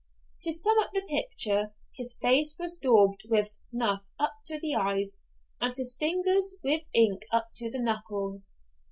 To sum up the picture, his face was daubed with snuff up to the eyes, and his fingers with ink up to the knuckles.